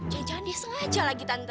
jangan jangan dia sengaja lagi tante